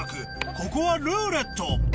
ここは「ルーレット」